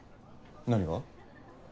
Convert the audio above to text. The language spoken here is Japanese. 何が？